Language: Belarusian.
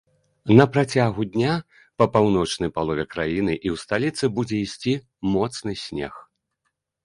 На працягу дня па паўночнай палове краіны і ў сталіцы будзе ісці моцны снег.